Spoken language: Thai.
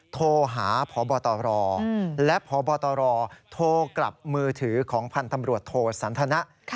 โทรหาพบตรและพบตรโทรกลับมือถือของพันธ์ตำรวจโทสันทนะ